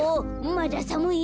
まださむい？